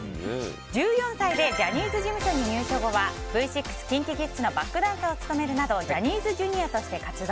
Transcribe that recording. １４歳でジャニーズ事務所に入所後はＶ６、ＫｉｎＫｉＫｉｄｓのバックダンサーを務めるなどジャニーズＪｒ．として活動。